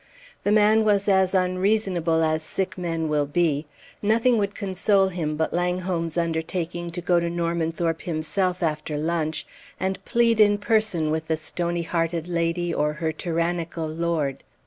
The man was as unreasonable as sick men will be; nothing would console him but Langholm's undertaking to go to Normanthorpe himself after lunch and plead in person with the stony hearted lady or her tyrannical lord.